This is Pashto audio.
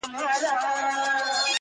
خو د هر چا ذهن کي درد پاته وي,